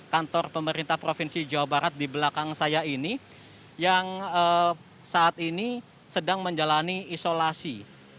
kantor pemerintah provinsi jawa barat di belakang saya ini yang saat ini sedang menjalani isolasi